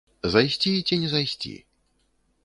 Зайсці ці не зайсці?